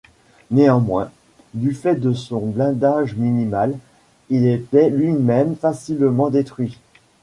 Néanmoins, du fait de son blindage minimal, il était lui-même facilement détruit.